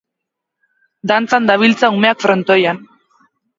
Dantzan dabiltza umeak frontoian